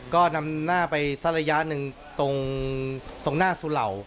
ก็นำหน้าไปสักระยะหนึ่งตรงหน้าสุเหล่า